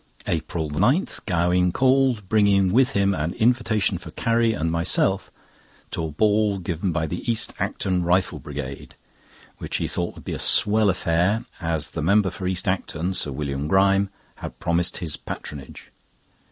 APRIL 9.—Gowing called, bringing with him an invitation for Carrie and myself to a ball given by the East Acton Rifle Brigade, which he thought would be a swell affair, as the member for East Acton (Sir William Grime) had promised his patronage.